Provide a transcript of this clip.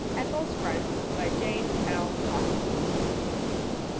'' ETHEL'S FRIENDS. BY JANE L. HOXIE.